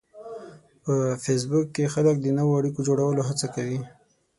په فېسبوک کې خلک د نوو اړیکو جوړولو هڅه کوي